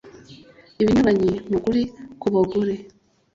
Ibinyuranye nukuri kubagore